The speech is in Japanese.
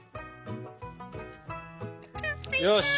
よし！